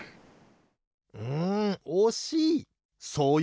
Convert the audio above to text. うんおしい！